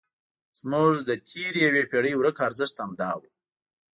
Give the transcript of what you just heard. زموږ د تېرې یوې پېړۍ ورک ارزښت همدا و.